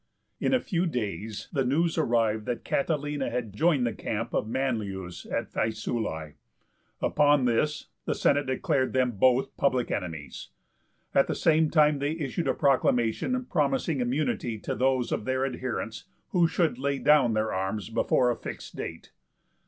In a few days the news arrived that Catilina had joined the camp of Manlius at Faesulae. Upon this the Senate declared them both public enemies. At the same time they issued a proclamation promising immunity to those of their adherents who should lay down their arms before a fixed date.